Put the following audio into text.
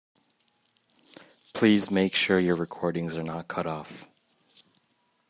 Please make sure your recordings are not cut off.